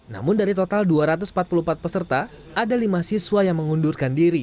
namun dari total dua ratus empat puluh empat peserta ada lima siswa yang mengundurkan diri